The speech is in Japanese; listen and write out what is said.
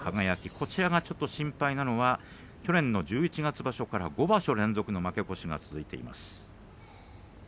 こちらがちょっと心配なのは去年の十一月場所から５場所連続負け越しが続いています。